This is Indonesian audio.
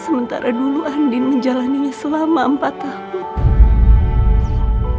sementara dulu andin menjalani selama empat tahun